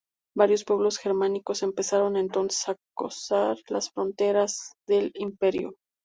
Varios pueblos germánicos empezaron entonces a acosar las fronteras del Imperio.